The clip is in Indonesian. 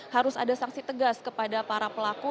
harus ada sanksi tegas kepada para pelaku